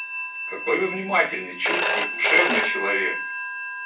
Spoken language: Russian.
Какой Вы внимательный, чуткий, душевный человек!